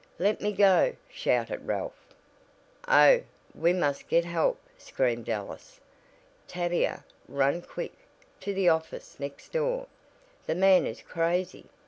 "Let me go!" shouted Ralph. "Oh, we must get help!" screamed Alice. "Tavia, run quick, to the office next door. That man is crazy.